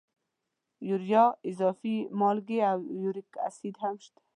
یوریا، اضافي مالګې او یوریک اسید هم شته.